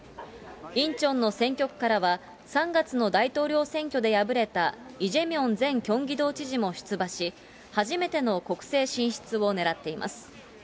インチョンの選挙区からは、３月の大統領選挙で敗れたイ・ジェミョン前キョンギ道知事も出馬し、初めての国政進出をねらっています。